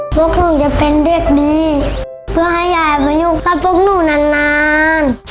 พวกหนูจะเป็นเด็กดีเพื่อให้ยายมาอยู่กับพวกหนูนานนาน